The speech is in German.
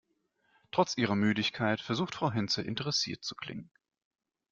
Trotz ihrer Müdigkeit versucht Frau Hinze, interessiert zu klingen.